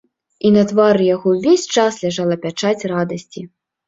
І на твары яго ўвесь час ляжала пячаць радасці.